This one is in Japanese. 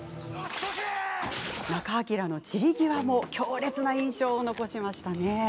仲章の散り際も強烈な印象を残しました。